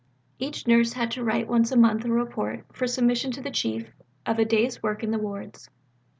Each nurse had to write once a month a report, for submission to the Chief, of a day's work in the wards.